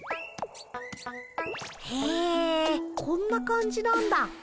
へえこんな感じなんだ。